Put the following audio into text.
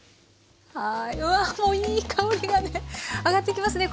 うわもういい香りがね上がってきますね